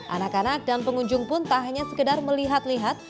anak anak dan pengunjung pun tak hanya sekedar melihat lihat